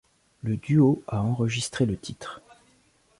Le duo a enregistré le titre.